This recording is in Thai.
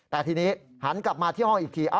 แต่ทีนี้หันกลับมาที่ห้องอีกที